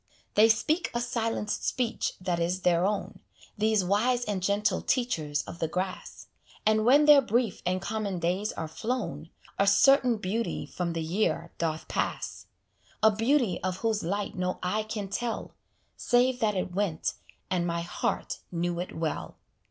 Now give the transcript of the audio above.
They speak a silent speech that is their own, These wise and gentle teachers of the grass; And when their brief and common days are flown, A certain beauty from the year doth pass: A beauty of whose light no eye can tell, Save that it went; and my heart knew it well.